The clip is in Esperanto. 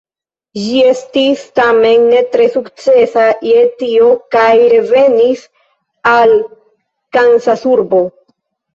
Ĝi estis tamen ne tre sukcesa je tio kaj revenis al Kansasurbo.